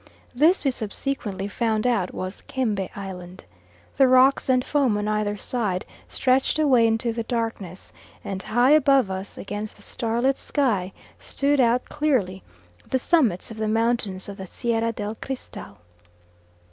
This we subsequently found out was Kembe Island. The rocks and foam on either side stretched away into the darkness, and high above us against the star lit sky stood out clearly the summits of the mountains of the Sierra del Cristal.